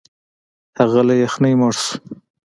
هغه له یخنۍ مړ شو.